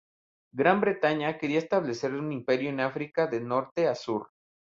Gran Bretaña quería establecer un imperio en África de norte a sur.